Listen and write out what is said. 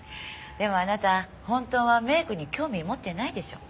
でもあなた本当はメイクに興味持ってないでしょ？